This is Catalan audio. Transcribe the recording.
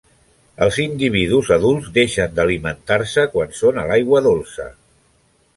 Els individus adults deixen d'alimentar-se quan són a l'aigua dolça.